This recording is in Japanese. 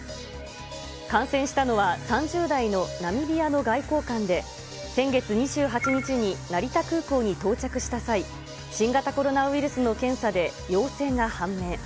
感染したのは３０代のナミビアの外交官で、先月２８日に成田空港に到着した際、新型コロナウイルスの検査で陽性が判明。